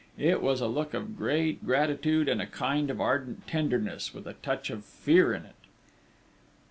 It was a look of great gratitude and a kind of ardent tenderness, with a touch of fear in it.